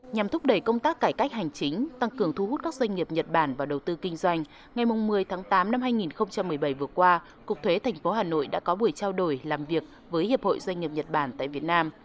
nhằm thúc đẩy công tác cải cách hành chính tăng cường thu hút các doanh nghiệp nhật bản vào đầu tư kinh doanh ngày một mươi tháng tám năm hai nghìn một mươi bảy vừa qua cục thuế thành phố hà nội đã có buổi trao đổi làm việc với hiệp hội doanh nghiệp nhật bản tại việt nam